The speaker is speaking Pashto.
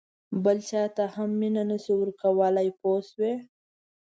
بل چاته هم مینه نه شې ورکولای پوه شوې!.